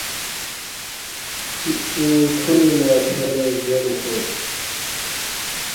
چِکپو تُھورُو نہ فیانے گینُو سونگس